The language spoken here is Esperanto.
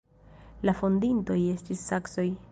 La fondintoj estis saksoj.